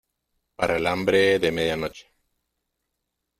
para el hambre de medianoche.